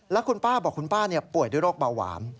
แล้วคุณป้าบอกคุณป้าป่วยด้วยโรคเบาหวาน